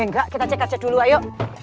enggak kita cek aja dulu ayo